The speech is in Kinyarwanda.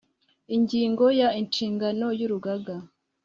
ingingo ya inshingano y urugaga